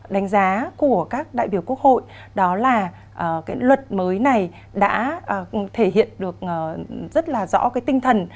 đánh giá của các đại biểu quốc hội đó là cái luật mới này đã thể hiện được rất là rõ cái tinh thần